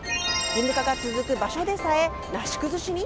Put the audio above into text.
義務化が続く場所でさえなしくずしに？